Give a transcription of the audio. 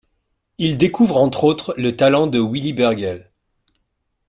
Il découvre entre autres le talent de Willy Birgel.